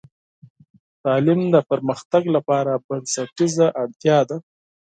تعلیم د پرمختګ لپاره بنسټیزه اړتیا ده.